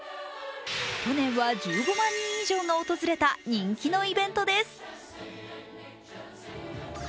去年は１５万人以上が訪れた人気のイベントです。